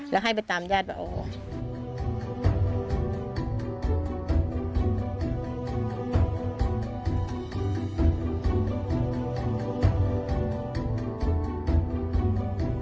แล้วให้ไปตามญาติว่าอ๋อ